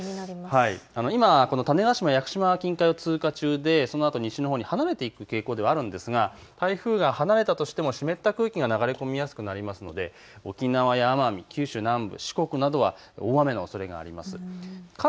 今、種子島、屋久島近海を通過中でそのあと西のほうに離れていく傾向ではあるんですが、台風が離れたとしても湿った空気が流れ込みやすくなりますので沖縄や奄美、九州南部四国などは大雨のおそれがあります。